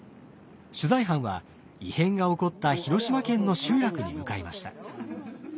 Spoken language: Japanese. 取材班は異変が起こった広島県の集落に向かいました。